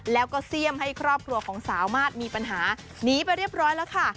แล้วก็เสี่ยมให้ครอบครัวของสาวมาสมีปัญหาหนีไปเรียบร้อยแล้วค่ะ